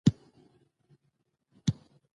ما ورته وویل: ما ته د دننه راتلو اجازه شته؟